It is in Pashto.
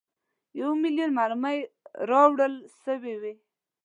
یو میلیون مرمۍ راوړل سوي وې.